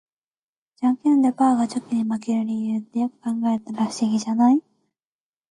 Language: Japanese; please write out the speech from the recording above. ジャンケンでパーがチョキに負ける理由って、よく考えたら不思議じゃない？